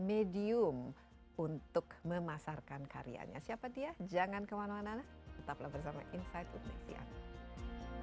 medium untuk memasarkan karyanya siapa dia jangan kemana mana tetaplah bersama insight udne triana